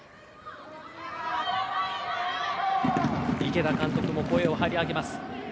池田監督も声を張り上げます。